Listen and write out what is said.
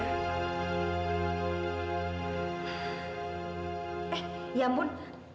eh ya ampun